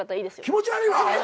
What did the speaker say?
気持ち悪いわアホ！